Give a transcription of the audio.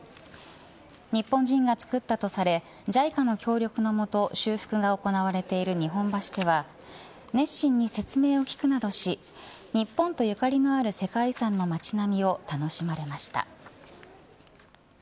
日本人が造ったとされＪＩＣＡの協力のもと修復が行われている日本橋では熱心に説明を聞くなどし日本とゆかりのある世界遺産の街並みを楽しまれました。